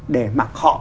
để mặc họ